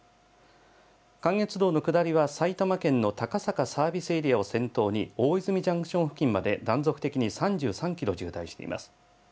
関越道の下りは埼玉県の高坂サービスエリアを先頭に、大泉ジャンクション付近まで断続的に３３キロ渋滞しています。